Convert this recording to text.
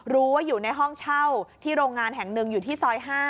รู้ว่าอยู่ในห้องเช่าที่โรงงานแห่งหนึ่งอยู่ที่ซอย๕